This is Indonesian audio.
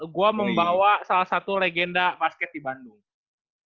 gue membawa salah satu legenda basket di bandung